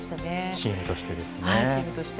チームとしてですね。